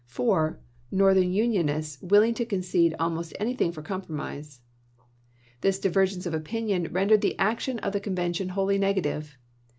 4. Northern unionists willing to concede almost anything for compromise. This divergence of opinion rendered the action of the convention wholly negative.